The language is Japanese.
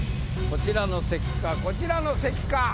こちらの席かこちらの席か。